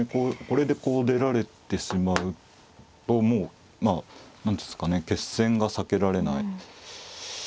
これでこう出られてしまうともうまあ何ていうんですかね決戦が避けられない。